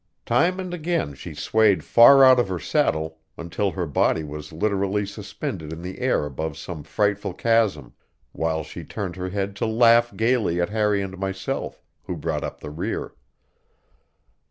Time and again she swayed far out of her saddle until her body was literally suspended in the air above some frightful chasm, while she turned her head to laugh gaily at Harry and myself, who brought up the rear.